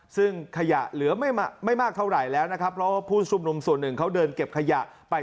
ซึ่งขยะเหลือไม่มากเท่าไหร่แล้วเพราะพวกชุมลุมส่วนหนึ่งเขาเดินเก็บขยะไป